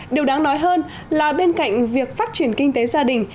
điều đáng nói hơn là bên cạnh việc phát triển kinh tế gia đình